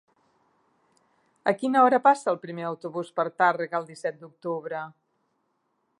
A quina hora passa el primer autobús per Tàrrega el disset d'octubre?